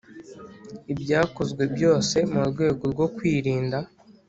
Ibyakozwe byose mu rwego rwo kwirinda